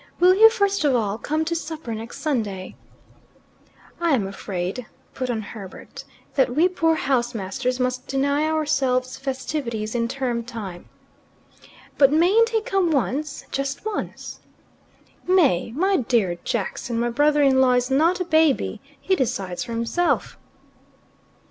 Will you, first of all, come to supper next Sunday?" "I am afraid," put in Herbert, "that we poor housemasters must deny ourselves festivities in term time." "But mayn't he come once, just once?" "May, my dear Jackson! My brother in law is not a baby. He decides for himself."